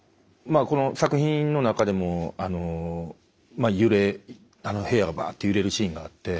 この作品の中でも揺れ部屋がバッて揺れるシーンがあって。